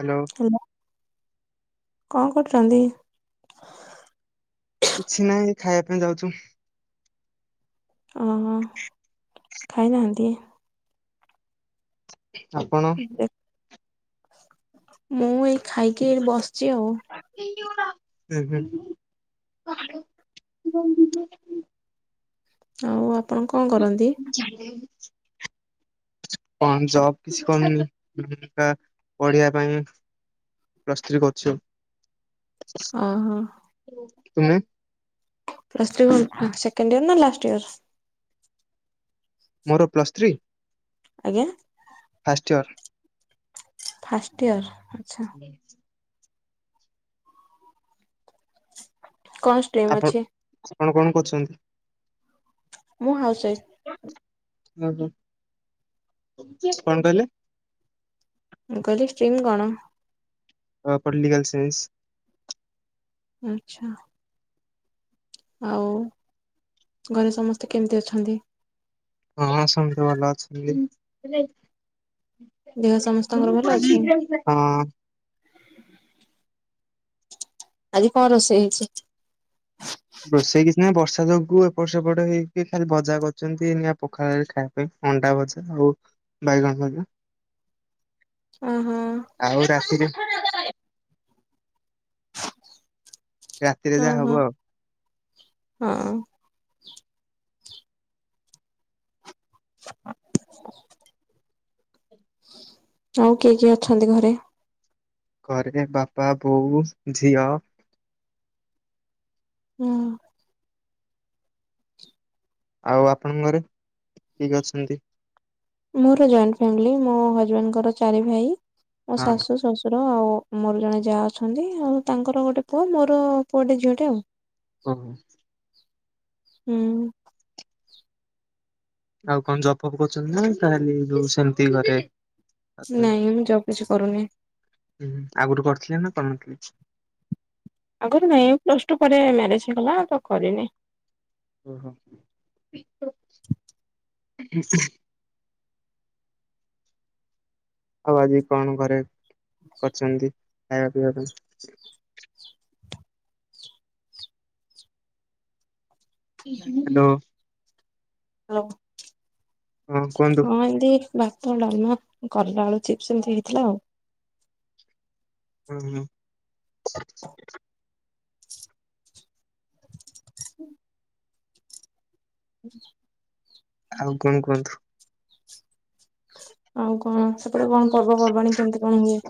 Hello. [inaudible] କଣ କରୁଛନ୍ତି? କିଛି ନାହିଁ, ଏ ଖାଇବା ପାଇଁ ଯାଉଚୁ। ଓ ହୋ, ଖାଇନାହାନ୍ତି? ଆପଣ ଦେଖ ମୁଁ ଏଇ ଖାଇକି ଏଇଠି ବସଛି ଆଉ। [inaudible] ଆଉ ଆପଣ କଣ କରନ୍ତି? ଚାକିରି କଣ ଜବ କିଛି କନ ହେଲା ପଢିବା ପାଇଁ ପ୍ଲସ ଥ୍ରୀ କରୁଛ? ଓହୋ। ତୁମେ? ପ୍ଲସ୍ ଥ୍ରୀ କଣ ସେକଣ୍ଡ ଇୟର ନା ଲାଷ୍ଟ ଇୟର? ମୋର ପ୍ଲସ୍ ଥ୍ରୀ? ଆଜ୍ଞା? First year. ଫାଷ୍ଟ ଇୟର ଆଛା। କଣ ଷ୍ଟ୍ରିମ୍ ଅଛି? କଣ କଣ କରୁଛନ୍ତି? ମୁଁ ହାଉସ ୱାଇଫ୍। କଣ କହିଲ ମୁଁ କହିଲି ଷ୍ଟ୍ରିମ୍ କଣ? ପ ପଲିଟିକଲ ସାଇନ୍ସ। ଆଛା। ଆଉ ଘରେ ସମସ୍ତେ କେମିତି ଅଛନ୍ତି? ହଁ ସମସ୍ତେ ଭଲ ଅଛନ୍ତି। ଦେହ ସମସ୍ତଙ୍କର ଭଲ ଅଛି? ହଁ। ଆଜି କଣ ରୋଷେଇ ହେଇଛି? ରୋଷେଇ କିଛି ନାହିଁ ବର୍ଷା ଯୋଗୁଁ ଏପଟ ସେପଟ ହେଇକି ଖାଲି ଭଜା କରୁଛନ୍ତିଆ ପଖାଳରେ ଖା। ଏଇଅଣ୍ଡା ବଜା ଆଉ ବାଇଗଣ ଭଜା। ଓ ହୋ। ଆଉ ରାତିରେ ରାତିରେ ଓ ଯାହା ହବ ହୋ ଆଉ ହଁ। ହ ଆଉ କିଏ କିଏ ଅଛନ୍ତି ଘରେ? ଘରେ ବାପା, ବୋଉ, ଝିଅ ହୁଁ ଆଉ ଆପଣଙ୍କରେ କିଏ କିଏ ଅଛନ୍ତି? ମୋର ଜଏଣ୍ଟ ଫ୍ୟାମିଲି ମୋ ହଜବେଣ୍ଡଙ୍କର ଚାରି ଭାଇ, ମୋ ହଁ ଶାଶୁ, ଶଶ ର ଆଉ ମୋର ଜଣେ ଯା ଅଛନ୍ତି, ଆଉ ତାଙ୍କର ଗୋଟେ ପୁଅ ମୋର ପୁଅଟେ ଝିଅଟେ ଆଉ। ଓ ହୁଁ ହୁଁ। ଆଉ କଣ ଜବ ଫବ କରୁଛନ୍ତି ନା ତାହେଲେ ଯୋଉ ସେମିତି ଘରେ? ଅଛନ୍ତି? ନାଇଁ ମୁଁ ଜବ କିଛି କରୁନି। ହୁଁ ଆଗରୁ କରିଥିଲେ ନା କରିନଥିଲେ? ଆଗରୁ ନାଇଁ ପ୍ଲସ ଟୁ ପରେ ମ୍ୟାରେଜ ହେଇଗଲା ତ କରିନି। ଓ ହୋ। ଆଉ ଆଜି କଣ ଘରେ କରିଛନ୍ତି ଖାଇବା ପିଇବା ପାଇଁ? ହାଲୋ [inaudible] ହଁ ଏମିତି ଭାତ, ଡାମା, କଲା ଆଳୁ ଚିପ୍ସ ଏମତି ହେଇଥିଲା ଆଉ। ହଁ ହଁ ହୁଁ ଆଉ କଣ କୁହନ୍ତୁ? ଆଉ କଣ ସେପଟେ କଣ ପର୍ବପର୍ବାଣି କେମିତି କଣ ହୁଏ?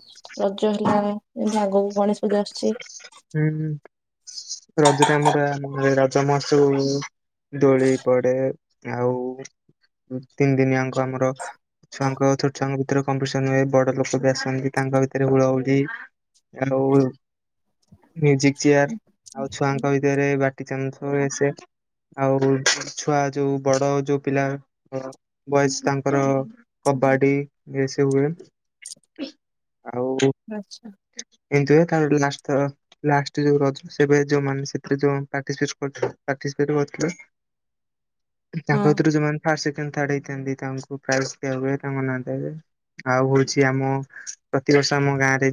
ରଜ ହେଲା ଏ ଆଗକୁ ଗଣେଶ ପୂଜା ଆସୁଛି। [unintelligible] ସମସ୍ତୁ ଉ ଦୋଳି ପଡେ ଆଉ ତିନି ଦିନି ଆଙ୍କ ଆମର ଛୁଆଙ୍କ ଛୋଟ ଛୁଆଙ୍କ ଭିତରେ କମ୍ପିଟିସନ ହୁଏ, ବଡ ଲୋକ ବି ଆସନ୍ତି ତାଙ୍କ ଭିତରେ ହୁଳହୁଳି [inaudible] ମ୍ୟୁଜିକ ଚେୟାର ଆଉ ଛୁଆଙ୍କ ଭିତରେ [unintelligible] ଆଉ ଛୁଆ ଯୋଉ ବଡ ଯୋଉ ପିଲାଙ୍କର ବୟସ ତାଙ୍କର କବାଡି ଏ ସବୁ ହୁଏ, ଆଉ ଆଚ୍ଛା। ଏମିତି ହୁଏ, ତା ପରେ ଲାଷ୍ଟଥର [unintelligible] [unintelligible] ତାଙ୍କ ଭିତରୁ ଯୋଉମାନେ ଫାର୍, ସେକେଣ୍ଡ, ଥାର୍ଡ ହେଇଥାନ୍ତି ତାଙ୍କୁ ପ୍ରାଇଜ ଦିଆକୁ ହୁଏ, ତାଙ୍କ ନାଁ ଦିଆଯାଏ। ଆଉ ହଉଛି ଆମ ପ୍ରତିବର୍ଷ ଆମ ଗାଁ ରେ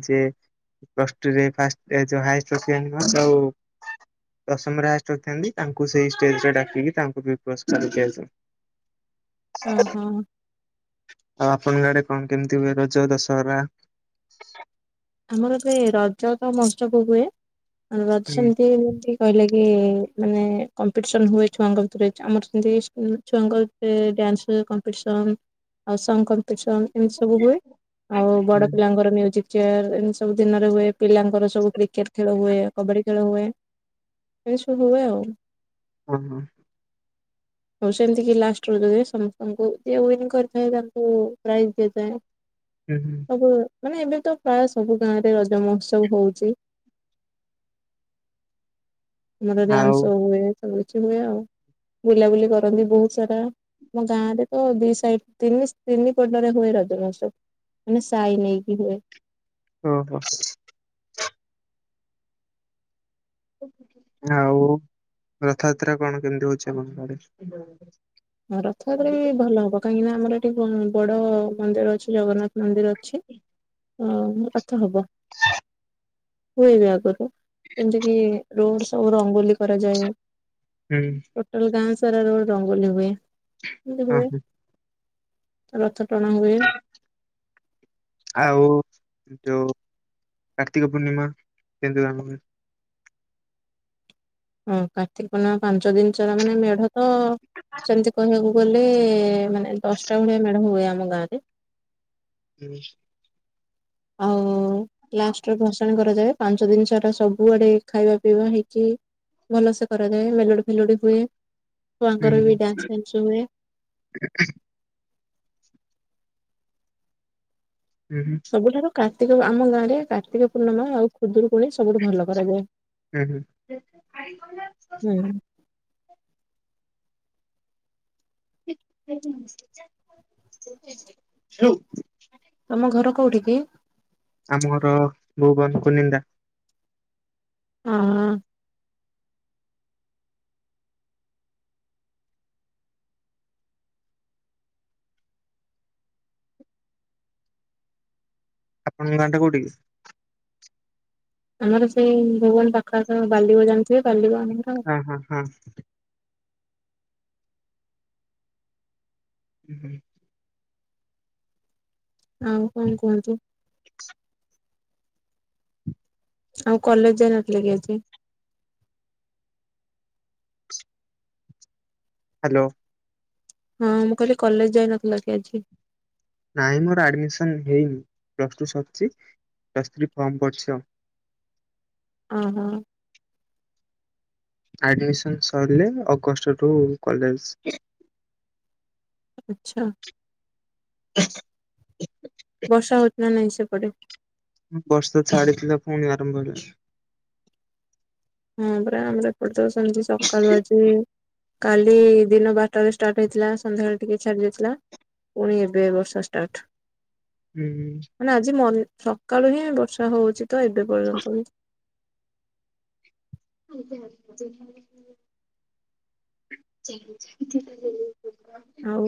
[unintelligible] ଦଶମ ହାଏଷ୍ଟ ରଖିଥାନ୍ତି ତାଙ୍କୁ ସେଇ ଷ୍ଟେଜ ରେ ଡାକିକି ତାଙ୍କୁ ବି ପୁରସ୍କାର ଦିଆଯାଏ। ଓ ହୋ। ଆଉ ଆପଣଙ୍କ ଆଡେ କଣ କେମିତି ହୁଏ ରଜ ଦଶହରା। ଆମର ଏ ରଜ ତ ମହୋତ୍ସବ ହୁଏ, ହୁଁ ଆଛନ୍ତି ଇମିତି କହିଲେ କି ମାନେ କମ୍ପିସନ ହୁଏ ଛୁଆଁଙ୍କ ଭିତରେ ଆମର ସେମତି ଉ ଛୁଆଙ୍କ ଭିତରେ ଡ୍ୟାନ୍ସ କମ୍ପିଟିସନ୍ ଆଉ ସଙ୍ଗ କମ୍ପିଟିସନ୍ ଏମତି ସବୁ ହୁଏ, ଆଉ ହୁଁ ବଡ ପିଲାଙ୍କର ମ୍ୟୁଜିକ ଚେୟାର ଏମତି ସବୁ ଦିନରେ ହୁଏ, ପିଲାଙ୍କର ସବୁ କ୍ରିକେଟ ଖେଳ ହୁଏ, କବାଡି ଖେଳ ହୁଏ। ଏମିତି ସବୁ ହୁଏ ଆଉ। ଓ ହୋ। [unintelligible] ହଉ ସେମିତିକି ଲାଷ୍ଟ ରଜ ରେ ସମସ୍ତଙ୍କୁ ଯିଏ ୱିନ୍ କରିଥାଏ ତାଙ୍କୁ ପ୍ରାଇଜ ଦେଇଥାଏ। ହ ହୁଁ। ସବୁ ମାନେ ଏବେ ତ ପ୍ରାୟ ସବୁ ଗାଁ ରେ ରଜ ମହୋତ୍ସବ ହଉଚି। ଆମର ଆଉ ଡ୍ୟାନ୍ସ ହୁଏ, ସବୁ କିଛି ହୁଏ, ଆଉ ବୁଲାବୁଲି କରନ୍ତି ବହୁତ ସାରା। ଆମ ଗାଁ ରେ ତ ଦି ସାଇଡ, ତିନି ତିନି ପଟରେ ହୁଏ ରଜ ମହୋତ୍ସବ। ମାନେ ସାଇ ନେଇକି ହୁଏ। ଓ ହୋ। ଆଉ ରଥଯାତ୍ରା କଣ କେମିତି ହଉଛି ଆମରିଆଡେ? ହଁ ରଥଯାତ୍ରା ବି ଭଲ ହବ କାହିଁକିନା ଆମର ଏଠି ବଡ ମନ୍ଦିର ଅଛି ଜଗନ୍ନାଥ ମନ୍ଦିର ଅଛି। ଅ ରଥ ହବ। ହୁଏବେ ଆଗତ ଏମତିକି ରୋଡ ସବୁ ରଙ୍ଗୋଲି କରାଯାଏ। ହୁଁ। ଟୋଟାଲ ଗାଁ ସାରା ରୋଡ ରଙ୍ଗୋଲି ହୁଏ। ଏମିତି ହଁ ହୁଏ ହଁ ରଥ ଟଣା ହୁଏ। ଆଉ ଯୋଉ କାର୍ତ୍ତିକ ପୂର୍ଣ୍ଣିମା କେମତି କଣ ହୁଏ? ହଁ କାର୍ତ୍ତିକ ପୂର୍ଣ୍ଣିମା ପାଞ୍ଚ ଦିନ ଚରା ମାନେ ମେଢ ତ ସେମିତି କହିବାକୁ ଗଲେ ଏ ମାନେ ଦଶଟା ଭଳିଆ ମେଢ ହୁଏ ଆମ ଗାଁ ରେ। ହୁଁ। ଆଉ ଲାଷ୍ଟରେ ଭସାଣି କର କରାଯାଏ ପାଞ୍ଚ ଦିନ ସାରା ସବୁଆଡେ ଖାଇବା ପିଇବା ହେଇକି ଭଲ ସେ କରାଯାଏ ମେଲୋଡି ଫେଲୋଡ଼ି ହୁଏ। ହୁଁ ଛୁଆଙ୍କର ବି ଡ୍ୟାନ୍ସ [inaudible] ଫ୍ୟାନ୍ସ ହୁଏ ହୁଁ ହୁଁ। ସବୁଠାରୁ କାର୍ତ୍ତିକ ଆମ ଗାଁରେ କାର୍ତ୍ତିକ ପୂର୍ଣ୍ଣିମା ଆଉ ଖୁଦୁରୁକୁୁଣି ସବୁଠୁ ଭଲ କରାଯାଏ। ହୁଁ ହୁଁ। ହୁଁ। [unintelligible] ତମ ଘର କୋଉଠି କି? ଆମର ଭୋବାନଙ୍କୁ ନିନ୍ଦା। ହଁ। ତମ ଗାଁ ଟା କୋଉଠିକି? ଆମର ସେଇ ଭୂବନ ପାଖ ଆଖ ବାଲିବ ଜାଣିଥିବେ ବାଲିବ ଠୁ। ହଁ ହଁ ହଁ। ହୁଁ ହୁଁ। ଆଉ କଣ କୁହନ୍ତୁ? ୍ ଆଉ କଲେଜ ଯାଇ ନଥିଲ କି ଆଜି? ହ୍ୟାଲୋ। ହଁ ମୁଁ କହିଲି କଲେଜ ଯାଇନଥିଲ କି ଆଜି? ନାଇଁ ମୋର ଆଡମିସନ୍ ହେଇନି ପ୍ଲସ୍ ଟୁ ସରିଚି ପ୍ଲସ୍ ଥ୍ରୀ ଫର୍ମ ପଡ଼ିଚି ଆଉ। ଅ ହଁ। ଆଡମିସନ ସରିଲେ ଅଗଷ୍ଟ ଠୁ କଲେଜ। ଆଛା। ହ ବର୍ଷା ହଉଚି ନା ନାଇଁ ସେପଟେ? ବର୍ଷା ଛାଡିଥିଲା ପୁଣି ଆରମ୍ଭ ହେଲା। ହଁ ପରା ଆମର ଏପଟେ ସେମତି ସକାଳୁ ଆଜି କାଲି ଦିନ ବାରଟାରେ ଷ୍ଟାର୍ଟ ହେଇଥିଲା ସନ୍ଧ୍ୟାବେଳେ ଟିକେ ଛାଡି ଯାଇଥିଲା। ପୁଣି ଏବେ ବର୍ଷା ଷ୍ଟାର୍ଟ। ହୁଁ ହୁଁ। ମାନେ ଆଜି ମଲ୍ ସକାଳୁ ହିଁ ବର୍ଷା ହଉଚି ତ ଏବେ ପର୍ଯ୍ୟନ୍ତ ବି। [unintelligible] ଆଉ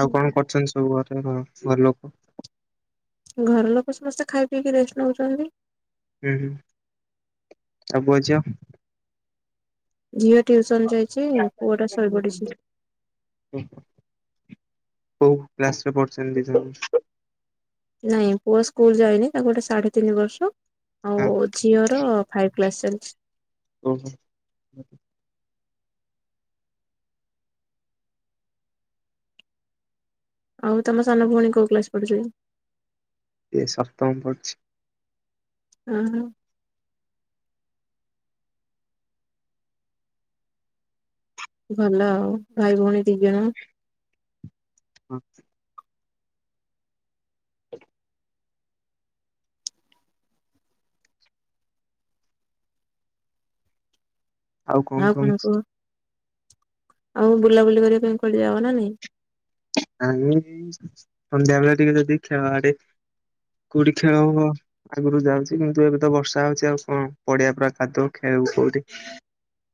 ଆଉ କଣ କରୁଚନ୍ତି ସବୁ ଘରେ ଘ ଘର ଲୋକ? ଘର ଲୋକ ସମସ୍ତେ ଖାଇ ପିଇକି ରେଷ୍ଟ ନଉଚନ୍ତି। ହୁଁ ହୁଁ ସବୁ ପୁଅ ଝିଅ। ଝିଅ ଟିଉସନ୍ ଯାଇଚି ପୁଅ ଟା ଶୋଇ ପଡିଚି। କୋଉ କ୍ଲାସ୍ରେ ପଢୁଚନ୍ତି ଦି ଜଣ। ନାଇଁ ପୁଅ ସ୍କୁଲ ଯାଇନି ତାକୁ ଗୋଟେ ସାଢେ ତିନି ବର୍ଷ ଆଉ ହଁ ଝିଅର ଫାଇଭ୍। କ୍ଲାସ୍ ଚାଲ୍ଚି। ଓ। ଆଉ ତମ ସାନ ଭଉଣୀ କୋଉ କ୍ଲାସ ପଢୁଚି। ଏ ସପ୍ତମ ପଢ୍ଚି। ହଁ ହ। ଭଲ ଆଉ ଭାଇ ଭଉଣୀ ଦି ଜଣ। ହୁଁ। ହ ଆଉ କଣ କହ ଆଉ ବୁଲାବୁଲି କରିବା ପାଇଁ କୁଆଡେ ଯାଅ ନା ନାଇଁ। ଆ ସନ୍ଧ୍ୟା ବେଳେ ଟିକେ ଯଦି ଖେଳ ଆଡେ କୋଉଠି ଖେଳ ହବ। ଆଗରୁ ଯାଉଚି କିନ୍ତୁ ଏବେ ତ ବର୍ଷା ହଉଚି ଆଉ କଂ ପଡିଆ ପୁରା କାଦୁଅ ଖେଳିବୁ କୋଉଠି।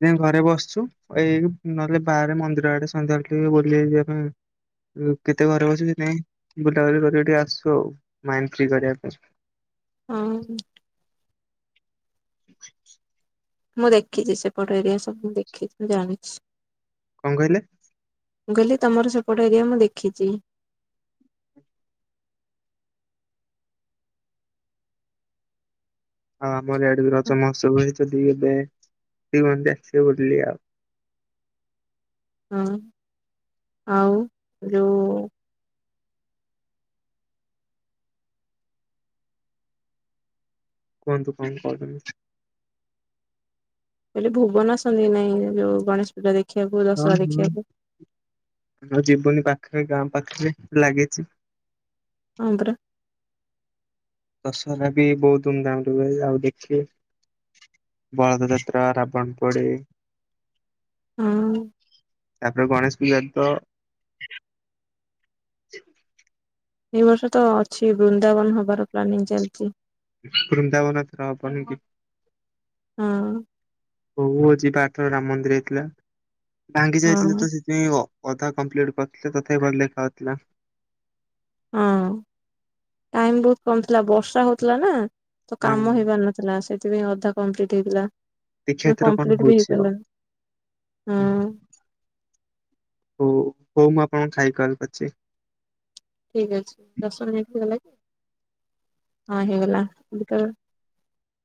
ଯାଇଁକି ଘରେ ବସ୍ଚୁ ଏଇ ନହେଲେ ବାହାରେ ମନ୍ଦିର ଆଡେ ସନ୍ଧ୍ୟାବେଳେ ଟିକେ ବୁଲିଇଯିବା ପାଇଁ କେତେ ଘରେ ବସୁ ସେଥିପାଇଁ ବୁଲାବୁଲି କରିବାକୁ ଟିକେ ଆସୁ ଆଉ ମାଇଣ୍ଡ୍ ଫ୍ରି କରିବା ପାଇଁ। ହୁଁ। [inaudible] ମୁଁ ଦେଖିଚି ସେପଟ ଏରିଆ ସବୁ ମୁଁ ଦେଖିଚି ଜାଣିଚି। କଂ କହିଲେ। ମୁଁ କହିଲି ତମର ସେପଟ ଏରିଆ ମୁଁ ଦେଖିଚି। ହଁ ଆମର ଆଡକୁ ରଜ ମହୋତ୍ସବ ହୁଏ ସେଠିକି ଯାଏ ଏବେ ଦ କନ୍ତି ଆସିବେ ବୁଲି ଆଉ। ହଁ ଆଉ ଯୋଉ କୁହନ୍ତୁ କଣ କହୁଚନ୍ତି? ମୁଁ କହିଲି ଭୁବନ ଆସନ୍ତି ନା ନାଇଁ ଯୋଉ ଗଣେଶ୍ ପୂଜା ଦେଖି? ହଁ ହଁ ଆମେ ଯିବୁନି ପାଖେରେ ଗାଁ ପାଖ୍ରେ ଲାଗିଚି। ଆନ୍ଦ୍ରେ। ଦସହରା ବି ବହୁତ ଧୁମ୍ଧାମ୍ରେ ହୁଏ ଯାଉ ଦେଖିବା। ବଳଦ ଯାତ୍ରା, ରାବଣ ପୋଡି। ହଁ! ତାପ୍ରେ ଗଣେଶ୍ ପୂଜା ତ ଏ ବର୍ଷ ତ ଅଛି ବୃନ୍ଦାବନ୍ ହବାର ପ୍ଲାନିଂ ଚାଲ୍ଚି। ବୃନ୍ଦାବନ ରହ କହିବି। ହୁଁ। ହଉ ଆଜି ବାର ଥର ରାମ୍ ମନ୍ଦିର ହେଇଥିଲା। ଭାଙ୍ଗି ଯାଇଥିଲେ ହଁ। ତ ପିଇଓ ଅଧା କମ୍ପ୍ଲିଟ କରଥିଲେ ତଥା ବି ଭଲ୍ ଲେଖାଉଥିଲା। ହଁ ଟାଇମ୍ ବୋହୁତ୍ କମ୍ ଥିଲା ବର୍ଷା ହଉଥିଲା ନା। ତ ହଁ କାମ ହେଇପାର୍ ନଥିଲା ସେଥିପାଇଁ ଅଧା କମ୍ପ୍ଲିଟ୍ ହେଇଥିଲା। ଦେଖିବା ନାଁ ଏଥର କଣ କମ୍ପ୍ଲିଟ୍ ବି ହଉଛି ହେଇପାର୍ଲାନି ହୁଁ। ଆଉ। ହଉ ହଉ ମୁଁ ଆପଣଙ୍କୁ ଖାଇକି କଲ୍ କରୁଚି। ଠିକ ଅଛି ଦଶମିନିଟ୍ ହେଇ ଗଲା କି ହଁ ହେଇଗଲା ଯେତଳେ